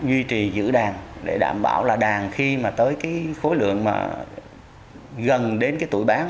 duy trì giữ đàn để đảm bảo là đàn khi mà tới cái khối lượng mà gần đến cái tuổi bán